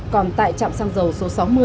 còn tại trạm xăng dầu số sáu mươi